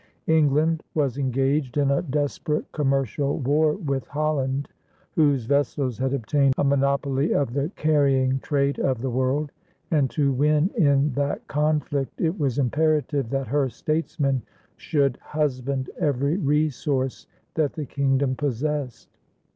England was engaged in a desperate commercial war with Holland, whose vessels had obtained a monopoly of the carrying trade of the world; and to win in that conflict it was imperative that her statesmen should husband every resource that the kingdom possessed.